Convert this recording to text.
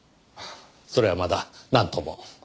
それはまだなんとも。